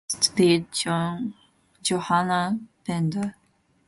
The texts read Johannah Bender.